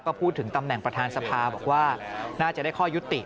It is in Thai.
ก็พูดถึงตำแหน่งประธานสภาบอกว่าน่าจะได้ข้อยุติ